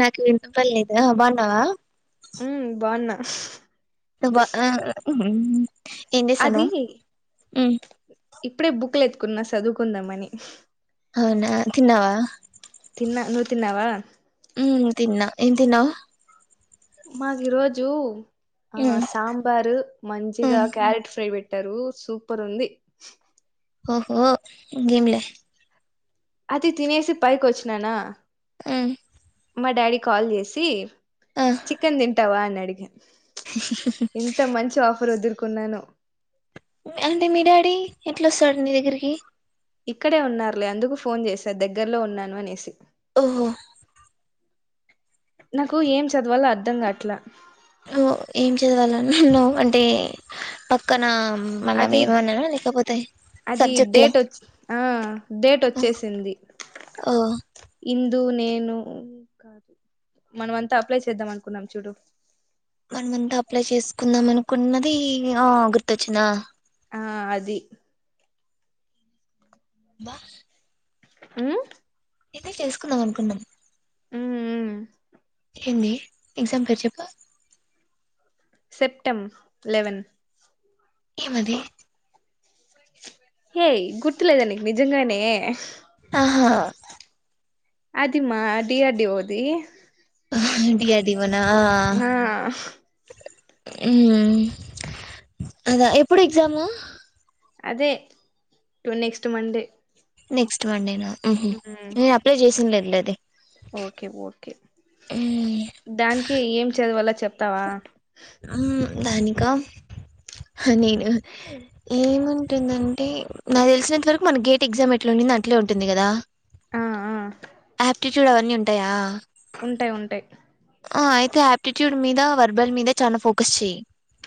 నాకు విన్నం పనిలేదా బాగున్నావా మ్మ్ బాగున్నా [unintelligible] అది చేస్తున్నావ్ హ్మ్ ఇప్పుడే బుక్ లు ఎత్తుకున్నా చదువుకుందాంమని అవునా తిన్నావా తిన్నా నువ్వు తిన్నావా హు తిన్నా ఏం తిన్నావు మాకు ఈరోజు ఆ హ్మ్ సాంబారు మంచిగా హ్మ్ క్యారెట్ ఫ్రై పెట్ పెట్టారు సూపర్ ఉంది ఓహో ఇంగే ఎం లే అది తినేసి పైకి వచ్చననా హు మా డాడీ కాల్ చేసి చికెన్ తింటావా అని అడిగే ఇంత మంచి ఆఫర్ వదులుకున్నానో అంటే మీ డాడీ ఎట్లా వస్తాడు నీ దగ్గరికి ఇక్కడే ఉన్నారులే అందుకు ఫోన్ చేసారు దగ్గరలో ఉన్నాను అనేసి ఓహో నాకు ఏం చదవాలో అర్ధంగాట్లా హో ఏం చదవాలి అని ఉన్నావు అంటే పక్కన మనం అది ఏమన్నమో లేకపోతే అది సబ్జెక్ట్ల డేట్ వచ్చ ఆ డేట్ వచ్చేసింది ఓ ది నేను ఇంకా మనం అంతా అప్లై చేద్దాం అనుకున్నాం చూడు మనమంతా అప్లై చేసుకుందాం అనుకున్నది ఆ గుర్తొచ్చింది ఆ ఆ అది బా హు ఇదే చేసుకుందాం అనుకున్నాం హు హు ఏంది ఎగ్జామ్ పేరు చెప్పు సెప్టెమ్ లేవేన్ ఏం అది ఏయ గుర్తులేద నీకు నిజంగానే ఆహా అది మా అడ్డి అడ్డి ఓది అది అది మనా ఆ హు అదా ఎప్పుడు ఎగ్జామ్ ము అదే to next Monday next Monday ఉహు ఉమ్ నేను అప్లై చేసింఉండి లే అది ఓకే ఓకే దానికే ఏం చదవాలా చెప్తావా హ దానికా నేను ఏముంటుందంటే నాకు తెలిసినంత వరకు మన గేట్ ఎగ్జామ్ ఎట్లా నా అంట్లే ఉంటుంది కదా ఆ ఆ ఆ పిట్యూడ్ అవన్నీ ఉంటాయా ఉంటాయి ఉంటాయి ఆ అయితే ఆ పిట్యూడ్ మీద వర్బల్ మీద చాలా ఫోకస్ చెయ్యి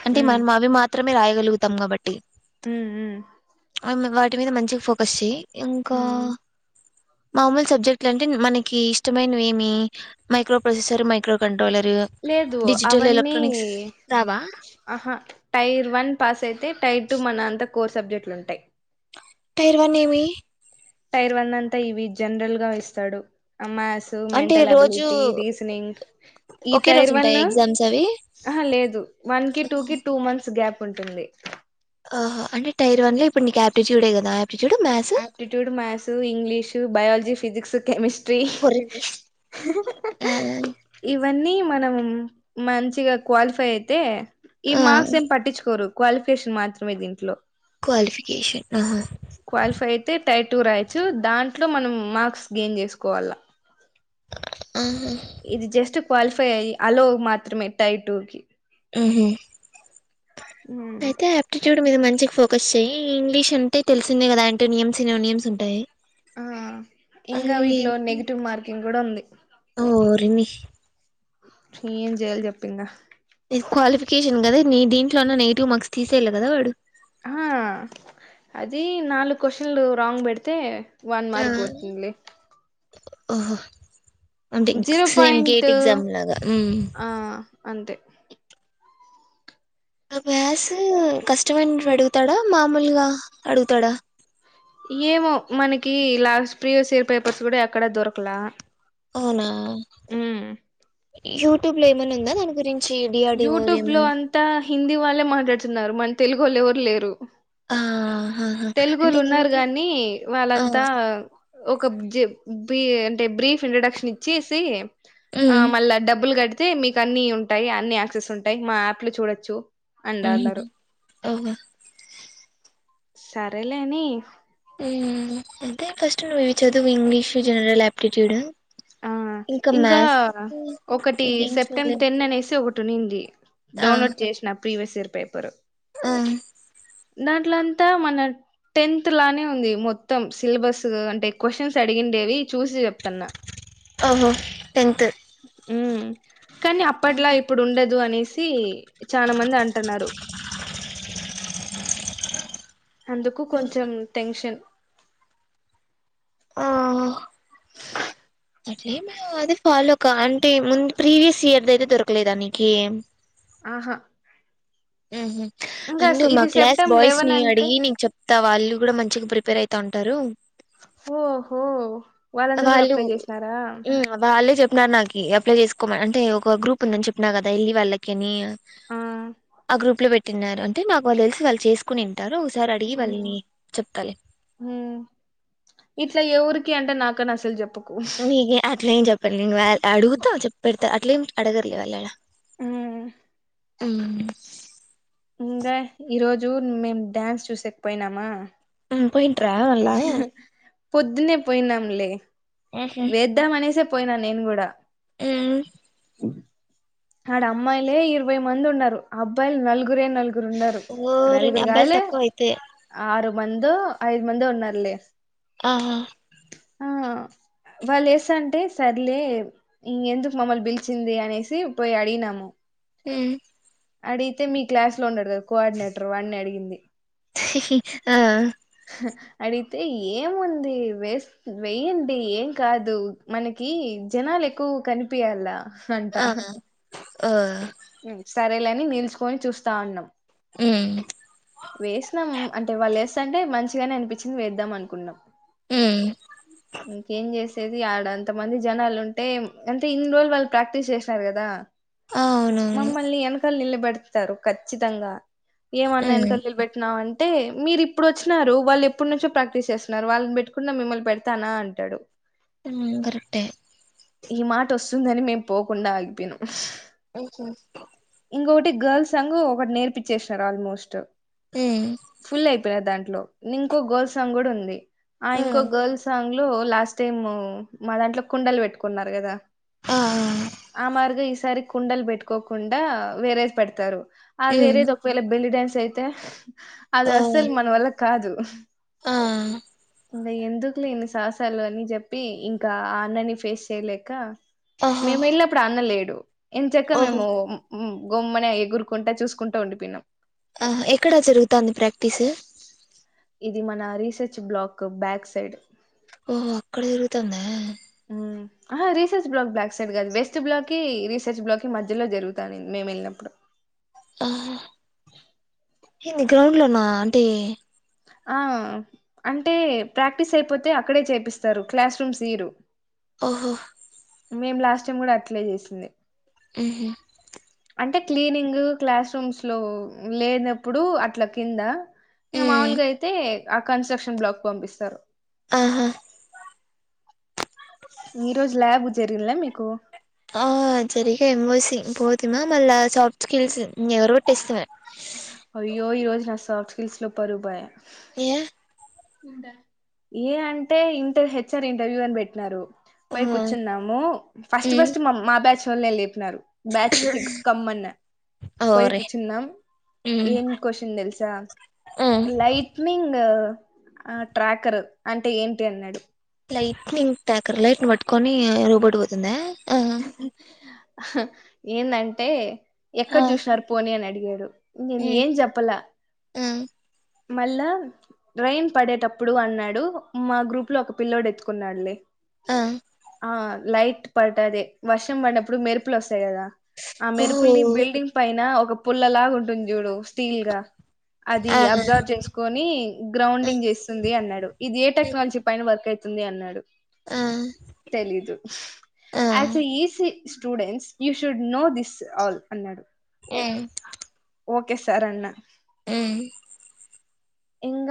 అంటే ఉమ్ మన మా అవి మాత్ర మాత్రమే రాయగలుగుతాం కాబట్టి హు హు వాటి మీద మంచిగా ఫోకస్ చెయ్య ఇంకా ఉమ్ మామూలు సబ్జెక్టులు అంటే మనకి ఇష్టమైనవి ఏమి మైక్రో ప్రొసెసర్ మైక్రో కం లేదు అవన్నీ రావా ఆహా టైర్ వన్ పాస్ అయితే టైర్ టూ మన అంతా కోర్ సబ్జెక్టులు ఉంటాయి టైరు వన్ ఏమి టైర్ వన్ అంతా ఇవి జనరల్ గా వస్తాడు అమాసు అంటే మెంటల్ రోజు అబిలిటీ రీసనింగ్ ఈ ఒకే రోజు టైర్ వన్ ఉంటాయి ఎగ్జామ్స్ అవి ఆ లేదు వన్ కి టూ కి టూ మంత్స్ గ్యాప్ ఉంటుంది ఆహ అంటే టైర్ వన్ లో ఇప్పుడు నీ క్యాపిటటీ చూడే కదా aptitude maths aptitude maths English biology physics chemistry ఇవన్నీ మనం మంచిగా క్వాలిఫై అయితే ఈ మార్క్స్ ఏం పట్టించుకోరు క్వాలిఫికేషన్ మాత్రమే దీంట్లో క్వాలిఫికేషన్ క్వాలిఫై అయితే టైర్ టూ రాయచ్చు దాంట్లో మనం మార్క్స్ గెయిన్ చేసుకోవాల ఆహా ఇది జస్ట్ క్వాలిఫై అయ్యి అలో మాత్రమే టై టూ కి ఆహ ఉమ్ అయితే యాప్టిట్యూడ్ మీద మంచి మంచి ఫోకస్ చెయయి ఇంగ్లీష్ అంటే తెలిసిందిే కదా అంటే నియమ్స్న్య నియమ్స్ ఉంటాయి ఆ ఇంకా వీటిలో నెగిటివ్ మార్కింగ్ కూడా ఉంది ఓ రాణి ఏం చేయాలో చెప్పు ఇంగ క్వాలిఫికేషన్ కదా న దీంట్లో ఉన్నా నెగిటివ్ మార్క్స్ తీసేళ్ళి కదా వాడు ఆ అది నాలుగు క్వశన్లు రాంగ్ పెడితే వన్ ఆ మార్క్ పోతుంది ఓహో అంటే zero same point GATE exam లాగా ఆ అంతే మ్యాథ్స్ కష్టమైన అడుగుతాడా మామూలుగా అడుగుతాడా ఏమో మనకి లాస్ట్ ప్రీవియస్ ఇయర్ పేపర్స్ కూడా ఎక్కడ దొరకలా అవునా యూట్యూబ్ లో ఏమన్నా ఉందా అని గురి యూట్యూబ్ లో అంతా హిందీ వాళ్ళే మాట్లాడుతున్నారు మన తెలుగు వాళ్ళు ఎవరు లేరు ఆ ఆహా తెలుగులు అంటే ఉన్నారు హిందీ కాగానీ ఆ వాళ్ళంతా అంటే బ్రీఫ్ ఇంట్రొడక్షన్ ఇచ్చేసి ఆ మ్మ్ మళ్ళా డబ్బులు కడితే మీకు అన్నిీ ఉంటాయి అన్ని యాక్సెస్ ఉంటాయి మా యాప్ లో చూడొచ్చు ఓహో సరేలేని ఎంతే ఫస్ట్ వివించ అదు ఇంగ్లీష్ జనరల్ ఆప్టిట్యూడ్ ఆ ఇంకా ఒకటి ఇంకేం సెప్టెంబర్ చూడలేదు టెన్ అనేసి ఒకటి నింది ఆ డౌన్లోడ్ చేసిన ప్రీవియస్ ఇయర్ పేపరు ఆ దాంట్లోంతా మన టెన్త్ లానే ఉంది మొత్తం సిలబస్ అంటే క్వశ్చన్స్ అడిగిండేవి చూసి చెప్తన్నా ఓహో టెన్త్ ఉ కానీ అప్పట్లా ఇప్పుడు ఉండదు అనేసి చాలా మంది అంటున్నారు అందుకు కొంచెం టెన్షన్ ఆ అరే మే అది ఫాలో క అంటే ముందు ప్రీవియస్ ఇయర్ ద అయితే దొరకలేదానికి ఆహా ఇంకా అం స- మా ఇది క్లాస్ సెప్టెం బాయ్స్ లెవెన్ ని అంటే అడిగి నీకు చెప్తా వాళ్ళు కూడా మంచిగా ప్రిపేర్ అయిత త అంటారు ఓహో వాళ్ళందరుూ కూడా అప్లై చేసినారా చెప్న్నారు నాకి అప్లై చేసుకోమ అంటే ఒక గ్రూప్ ఉందని చెప్పిన కదా వెళ్ళలి వాళ్ళకి అని ఆ ఆ గ్రూప్ లో పెట్టినన్నారు అంటే నాకు వాళ్ళు తెలిసి వాళ్ళు చేసుకుని ఇట్లా ఏఊరికి అంటే నాకు చేపకు నీ అట్లం చెప్పం న అడుగుతావు చెప్పెడా అట్లే ఏం అడగర్లే వాళ్ళలా ఆ ఉ ఇంకా ఈరోోజు మేము డ్యాన్స్ చూసకపోయినామా పోయింట రాలా పొద్దునే పోయినాంలే వేద్దాం అనేసే పోయినా నేను కూడా ఉ ఆడ అమ్మాయిలే ఇరవై మంది ఉన్నారు అబ్బాయిలు నలుగురే నలుగురు లుగురు ఉన్నారు ఆ ఓరిని నలుగురు అబ్బాయిలు కావాలి తక్కువ అయితే ఆరు మంద ఐదు మంద ఉన్నారులే ఆహా ఆ వాళ్ళ వస్త అంటే సర్లే ఇ ఎందుకు మమ్మల్ని పిలిచింది అనేసి పోయి అడిినముో ఆ అడిగితే మీ క్లాస్ లో ఉన్నాడు కదా కోఆర్డినేటర్ వాడిని అడిగింది ఆ అడిగితే ఏముంది వేస్ వేయండి ఏం కాదు మనకి జనాలు ఎక్కువ కనిపియాల అంట ఆ ఓ సరేలేని నిల్చుకొని చూస్తా ఉన్నాం అ వేసాం అంటే వాళ్ళు వేస్తంటే మంచిగానే అనిపించింది వేద్దాం అనుకుంటన్నాం ఉమ్ ఇంకేం చేస్త ది ఆడ అంత మంది జనాలు ఉంటే అంటే ఇన్ని రోజులు వాళ్ళు ప్రాక్టీస్ చేసినారు కదా అవునవును మమ్మల్ని వెనకలు నిలబెడతారు ఖచ్చితంగా ఏమన్నా ఉమ్ వెనకలు అంటే మీరు ఇప్పుడు వచ్చినారు వాళ్ళు ఎప్పుడు నుంచో ప్రాక్టీస్ చేస్తున్నారు వాళ్ళని పెట్టుకున్న మిమ్మల్ని పెడతానా అంటే డు ముందరట్టే ఈ మాట వస్తుందని మేం పోకుండా ఆగిపోనుం కా ఇంకొకటి గర్ల్స్ అంగు ఒకటి నేర్పిచ్చేసినారు ఆల్మోస్ట్ ఉమ్ ఫుల్ అయిపోయిన దాంట్ ఇంకో గల్ంగ్ కూడా ఉంది ఇంకో ఉమ్ గల్ంగ్ లాస్ట్ టైమ్ మా దాంట్లో కుండలు పెట్టుకున్నారు కదా ఆ ఆ మార్గా ఈసారి కుండలు పెట్టుకోకుండా వేరేది పెడతారు ఆ ఉమ్ వేరేది ఒకవేళ బెల్లి డ్యాన్స్ అయితే అది ఓ అసలు మన వల్ల కాదు ఆ ఇంకా ఎందుకు లేని సాహసాలు అని చెప్పి ఇంకా అన్నన్ని ఫేస్ చేయలేక ఓహో మేము వెళ్ళప్పుడు అన్నలేడు ఇంత చెక్క ఓహో మేము గమ్మని ఎగురుకుంటా చూసుకుంటా ఉండి పన్నాం ఎక్కడ జరుగుతుంది ప్రాక్టీసు ఇది మన రీసెర్చ్ బ్లాక్ బ్యాక్ సైడ్ ఓహో అక్కడ తిరుగుతుందా రీసెర్చ్ బ్లాక్ బ్లాక్ సైడ్ కాదు వ వెస్ట్ బ్లాక్కి రీసెర్చ్ బ్లాక్కిిధ్యలో జరుగుతాను మేము వెళ్ళినప్పుడు [inaudible] ఆా ఏంది గ్రౌండ్ లోనా అంటే ఆ అంటే ప్రాక్టీస్ అయిపోతే అక్కడే చేపిస్తారు క్లాస్ రూమ్స్ ఇరు ఓహో మేం లాస్ట్ టైం కూడా అట్లే చేసింది ఆహా అంటే క్లీనింగ్ క్లాస్ రూమ్స్లో లేనప్పుడు అట్లా కింద ఇకా ఉమ్ మాముూలుగా అయితే ఆ కన్స్ట్రక్షన్ బ్లాక్ పంపిస్తారు ఆహా [unintelligible] ఈ రోజు ల్యాబ్ జరిగిల్లే మీకు ఆ సరిగా ఎబోసి పోతుమా మళ్ళా ఆ సాఫ్ట్ స్కిల్స్ ఎవరు కొట్టిేస్తామ [unintelligible] అయ్యో ఈ రోజు నా సాఫ్ట్ స్కిల్స్ లో పరువు బాయ ఏ ఏ అంటే ఇంటర్ హెచ్చర్ ఇంటర్వ్యూ అని పెట్టినారు ఆ పోయి కూర్చున్నాము ఫస్ట్ ఉమ్ ఫస్ట్ మా మా బ్యాచ్ వాళ్ళ వెల్లిరు బ్యాచ్ సిక్స్ కమ్మన్నా పోయి ఓరి కూర్చున్నాం ఉమ్ ఏం క్వశ్చన్ తెలుసా ఉమ్ లైట్నింగ్ ట్రాకర్ అంటే ఏంటి అన్నాడు లైట్నింగ్ ట్రాకర్ లైట్ని పట్టుకొని రోబోట్ పోతుంద ఏందంటే ఎక్కడ ఆ చూసినారు పోనీ అని అడిగాడు నేను ఉమ్ ఏం చెప్పల ఆ మళ్ళా రైన్ పడేటప్పుడు అన్నాడు మా గ్రూప్ లో ఒక పిల్లోడు ఎత్తుకున్నాడులే ఆ ఆ లైట్ పడ్డది వర్షం పడినప్పుడు మెరుపులు వస్త యి కదా ఆ ఓ మెరుపుల్లి బిల్డింగ్ పైన ఒక పుల్లలాగా ఉంటుంది చూడు స్టీల్ గా అది ఆ అబ్ అబ్జర్వ్ చేసుకొని ఆ గ్రౌండింగ్ చేస్తుంది అన్నాడు ఇది ఏ ఉమ్, టెక్నాలజీ పైన వర్క్ అయితంది అన్నాడు ఆ తెలీదు ఆ అతే ఈసి students you should know this all అన్నాడు ఏ ఓకే సార్ అన్న ఉం ఇంగ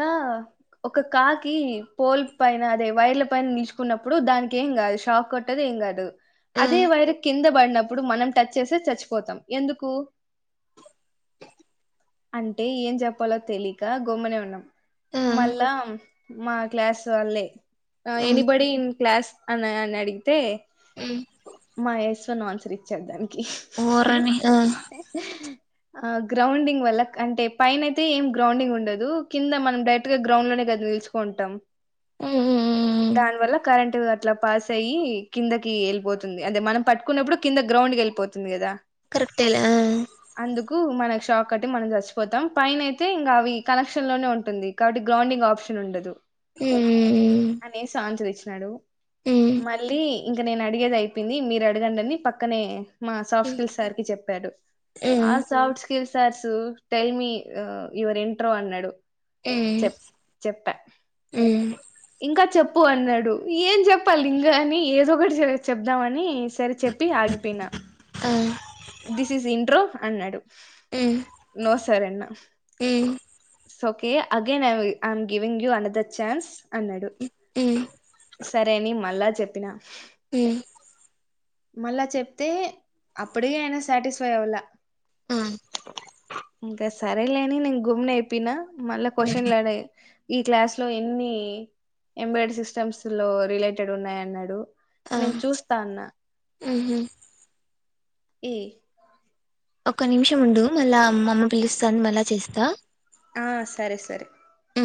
ఒక కాకి పోల్ పైన అదే వైర్ల పైన నిల్చుకున్నప్పుడు దాని కేం కాదు షాక్ కొట్టదు ఏం కాదు ఆ అదే వైర్ కింద పడినప్పుడు మనం టచ్ చేసే చచ్చిపోతాం ఎందుకు అంటే ఏం చెప్పాలో తెలియక గొమ్మనే ఉన్నాం ఆ మళ్ళా మా క్లాస్ వాళ్లే ఉమ్ ఎనిబడి ఇన్ క్లాస్ అని అని అడిగితే ఉమ్ మా యస్న్ ఆన్సర్ ఇచ్చారు దానికి ఓరని ఆ గ్రౌండింగ్ వల్ల అంటే పైన అయితే ఏం గ్రౌండింగ్ ఉండదు కింద మన డైెరేక్ట్ గ్రౌండ్లో నే గద నిలుచుకుంటం ఉమ్ ఉమ్ ఉమ్ దాని వల్ల కరెంట్ అట్లా పాస్ అయ్యి కిందకి వెళ్ళిపోతుంది అదే మనం పట్టుకున్నప్పుడు కింద గ్రౌండ్ కి వెళ్ళిపోతుంది కదా కరెక్ట్లే ఆ అందుకు మనకు షాక్ కట్టి మనం చచ్చిపోతాం పైన అయితే ఇంగ అవి కనెక్షన్ లోనే ఉంటుంది కాబట్టి గ్రౌండ్డింగ్ ఆప్షన్ ఉండదు ఉమ్ అనేసి ఆన్సరిచ్చిన డు ఉమ్ మళ్ళీ ఇంక నేను అడిగేది అయిపోయింది మీరు అడగండిని పక్కనే మా సాఫ్ట్ ఉమ్ స్కిల్స్ సారికి చెప్పాడు ఆ ఉమ్ సాఫ్ట్ స్కిల్స్ సార్సు టెల్ మీ యువర్ ఇంట్రో అన్నాడు ఉమ్ చెప్ చెప్ప ఉమ్, ఇంకా చెప్పు చెప్పు అన్నాడు ఏం చెప్పా లింగ అని ఏదో ఒకటి చెప్దామని సరే చెప్పి ఆగిపోయినా ఆ దిస్ ఇస్ ఇంట్రో అన్నాడు ఉం సరేన్న ఉం it's okay again I I'm giving you another chance అన్నాడు ఉం సరే అని మళ్ళా చెప్పినా ఉమ్ మళ్ళా చెప్తే అప్పుడి అయినా సాటిస్ఫై అవాల ఆ ఇంక సరేలే అని నే గుమ్న అయిపోయినా మళ్ళా క్వశ్చన్లుడ ఈ క్లాస్ లో ఎన్ని ఎంబిడ్ సిస్టమ్స్ లో రిలేటెడ్ ఉన్నాయ అన్నాడు నేను చూస్తా అన్నా అహ ఏ ఒక నిమిషం ఉండు మళ్ళా అమ్ అమ్మ పిలుస్తా మళ్ళా చేస్తా ఆ సరే సరే అ